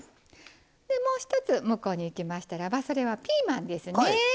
でもう一つ向こうにいきましたらばそれはピーマンですね。